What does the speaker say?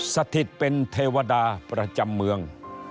สถิตเป็นเทวดาประจำเมือง